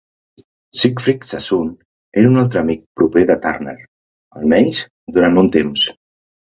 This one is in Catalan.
Siegfried Sassoon era un altre amic proper de Turner, almenys durant un temps.